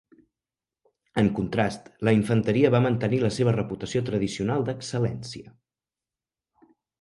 En contrast, la infanteria va mantenir la seva reputació tradicional d'excel·lència.